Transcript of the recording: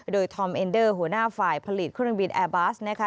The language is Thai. โดยธอมเอ็นเดอร์หัวหน้าฝ่ายผลิตเครื่องบินแอร์บัสนะคะ